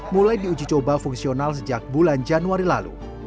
mulai diuji coba fungsional sejak bulan januari lalu